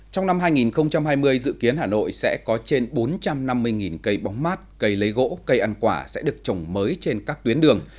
trong năm hai nghìn hai mươi dự kiến hà nội sẽ có trên bốn trăm năm mươi cây bóng mát cây lấy gỗ cây ăn quả sẽ được trồng mới trên các tuyến đường